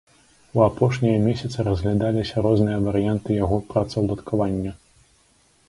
У апошнія месяцы разглядаліся розныя варыянты яго працаўладкавання.